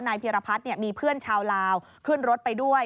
เพียรพัฒน์มีเพื่อนชาวลาวขึ้นรถไปด้วย